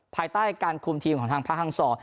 ภายใต้การควมทีมของภาคทางส่อ